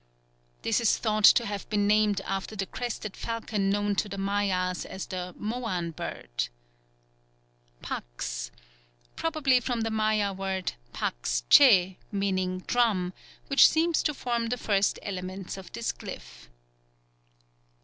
_ This is thought to have been named after the crested falcon known to the Mayas as the Moan bird. 16th. Pax. Probably from the Maya word pax che, meaning "drum," which seems to form the first elements of this glyph.